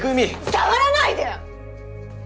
触らないで！